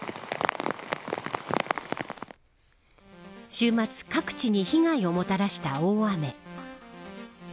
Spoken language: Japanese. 週末、各地に被害をもたらした大雨。